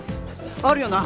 あるよな！？